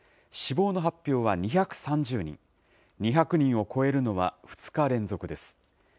死亡の発表は２３０人、２００人を超えるのは２日連続です。